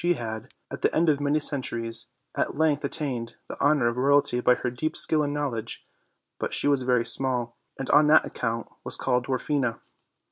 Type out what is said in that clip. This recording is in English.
She had, at the end of many centuries, at length attained the honor of royalty by her deep skill and knowledge; but she was very small, and on that account was called Dwarfina.